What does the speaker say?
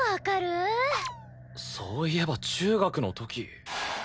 そういえば中学の時。